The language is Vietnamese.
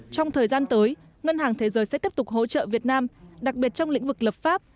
trong thời gian tới ngân hàng thế giới sẽ tiếp tục hỗ trợ việt nam đặc biệt trong lĩnh vực lập pháp